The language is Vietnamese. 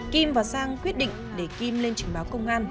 kim và sang quyết định để kim lên trình báo công an